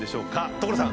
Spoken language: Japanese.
所さん！